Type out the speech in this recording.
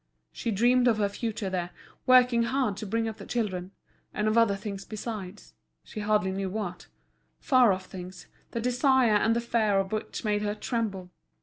She dreamed of her future there, working hard to bring up the children, and of other things besides—she hardly knew what—far off things, the desire and the fear of which made her tremble.